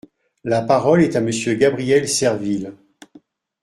La parole est à Monsieur Gabriel Serville.